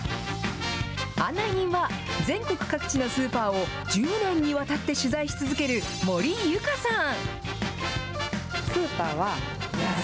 案内人は、全国各地のスーパーを１０年にわたって取材し続ける森井ユカさん。